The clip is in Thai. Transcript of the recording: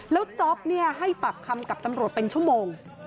แล้วจ๊อปให้ปากคำกับตำรวจเป็นชั่วโมง